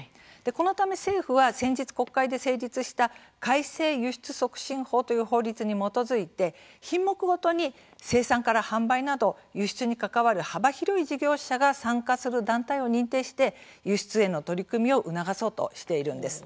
このため政府は先日国会で成立した改正輸出促進法という法律に基づいて品目ごとに生産から販売など輸出に関わる幅広い事業者が参加する団体を認定して輸出への取り組みを促そうとしているんです。